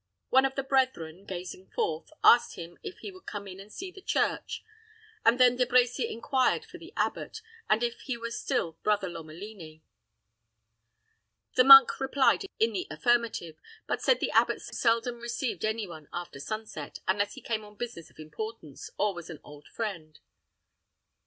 One of the brethren, gazing forth, asked him if he would come in and see the church, and then De Brecy inquired for the abbot, and if he were still brother Lomelini. The monk replied in the affirmative, but said the abbot seldom received any one after sunset, unless he came on business of importance, or was an old friend.